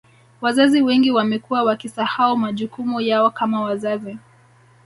Wazazi wengi wamekuwa wakisahau majukumu yao kama wazazi